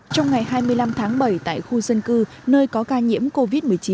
trong ngày hai mươi năm tháng bảy tại khu dân cư nơi có ca nhiễm covid một mươi chín